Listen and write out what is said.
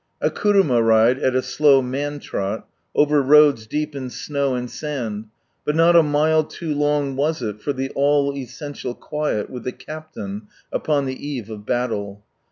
A kuruma ride, at a slow man trot, over roads deep in snow and sand, but not a mile too long was it for the all essential quiet with the Captain upon the eve of battle.